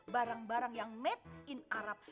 barang barang yang made in arab